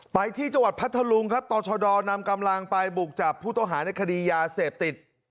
ไปที่จังหวัดพัทธลุงครับต่อชดนำกำลังไปบุกจับผู้ต้องหาในคดียาเสพติด